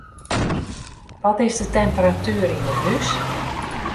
Wat is de temperatuer yn 'e hús?